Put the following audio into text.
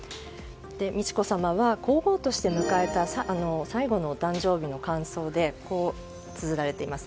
美智子さまは皇后として迎えた最後のお誕生日の感想でこうつづられています。